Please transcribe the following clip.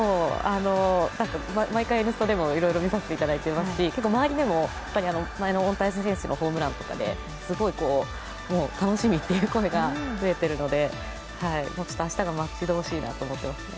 毎回「Ｎスタ」でもいろいろ見させていただいてますし周りでも前にホームランでも楽しみという声が増えてるので明日が待ち遠しいなと思っていますね。